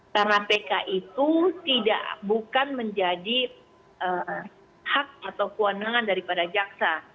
karena pk itu bukan menjadi hak atau kewenangan daripada jaksa